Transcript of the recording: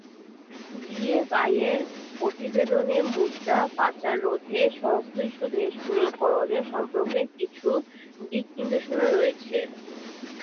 জিএফআইয়ের প্রতিবেদনে মুদ্রা পাচার রোধে সংশ্লিষ্ট দেশগুলোর করণীয় সম্পর্কে কিছু দিকনির্দেশনা রয়েছে।